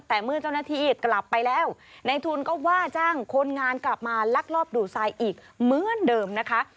แต่เมื่อเจ้าหน้าที่กลับไปแล้วในทุนก็ว่าจ้างคนงานกลับมาลักลอบดูดทรายอีกเหมือนเดิมนะคะ